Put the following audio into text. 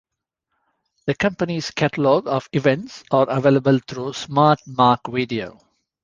The company's catalog of events are available through Smart Mark Video.